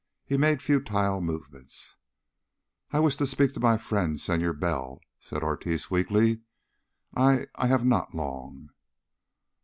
He made futile movements. "I wish to speak to my friend, Senor Bell," said Ortiz weakly. "I I have not long."